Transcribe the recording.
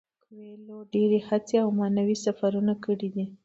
کویلیو ډیرې هڅې او معنوي سفرونه کړي دي.